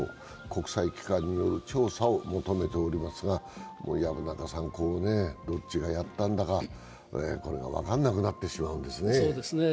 国際機関による調査を求めておりますが、薮中さん、どっちがやったんだか、分かんなくなってしまうんですね。